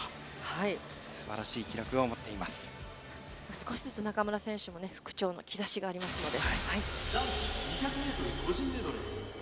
少しずつ中村選手復調の兆しがありますので。